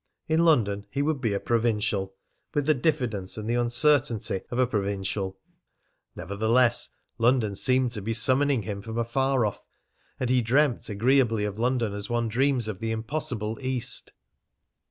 In London he would be a provincial, with the diffidence and the uncertainty of a provincial. Nevertheless, London seemed to be summoning him from afar off, and he dreamt agreeably of London as one dreams of the impossible East.